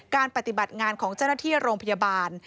ปฏิบัติงานของเจ้าหน้าที่โรงพยาบาล